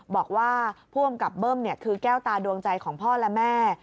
บอกว่าผู้อำกับเบิ้มคือแก้วตาดวงใจของพ่อและแม่